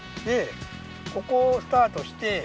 でここをスタートして。